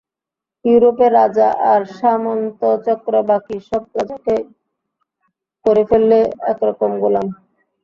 ইউরোপে রাজা আর সামন্তচক্র বাকী সব প্রজাকে করে ফেললে এক রকম গোলাম।